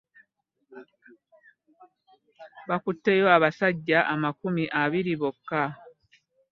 Bakutteyo abasajja amakumi abiri bokka.